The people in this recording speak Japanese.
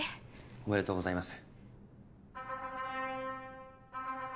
おめでとうございます。